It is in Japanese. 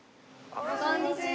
こんにちは。